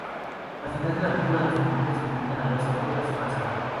Al final de la película, los pingüinos invitan al oso Ted a su casa.